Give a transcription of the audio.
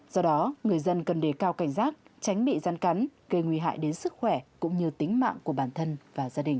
do đó người dân cần đề cao cảnh giác tránh bị rắn cắn gây nguy hại đến sức khỏe cũng như tính mạng của bản thân và gia đình